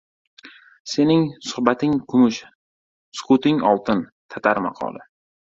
Sening suhbating — kumush, sukutining — oltin. Tatar maqoli